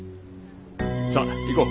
さあ行こう。